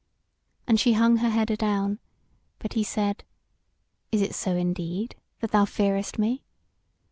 And she hung her head adown; but he said: "Is it so indeed, that thou fearest me?